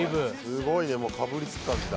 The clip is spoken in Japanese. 「すごいねかぶりつく感じだ」